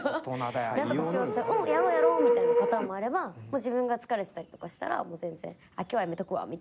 「何とかしよう」っつったらやろうみたいなパターンもあれば自分が疲れてたりとかしたら今日はやめとくわみたいな。